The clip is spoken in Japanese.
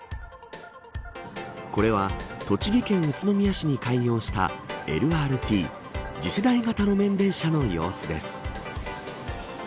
これは栃木県宇都宮市に開業したＬＲＴ＝次世代型路面電車の様子です。